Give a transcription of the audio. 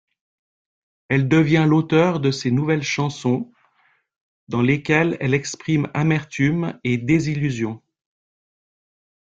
Elle devient l'auteur de ses nouvelles chansons, dans lesquelles elle exprime amertume et désillusion.